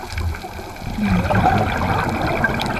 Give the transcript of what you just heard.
หมี่กะทิ